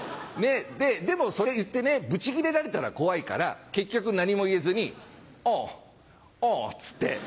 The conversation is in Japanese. でもそれ言ってねぶちギレられたら怖いから結局何も言えずに「おぉおぉ」っつって。